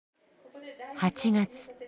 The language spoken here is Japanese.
８月。